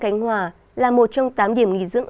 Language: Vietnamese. cánh hòa là một trong tám điểm nghỉ dưỡng